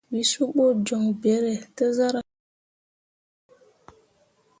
Wǝ suɓu joŋ beere te zarah.